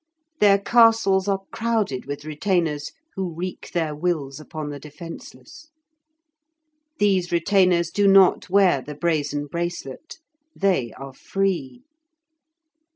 Their castles are crowded with retainers who wreak their wills upon the defenceless. These retainers do not wear the brazen bracelet; they are free.